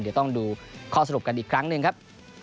เดี๋ยวต้องดูข้อสรุปกันอีกครั้งหนึ่งครับ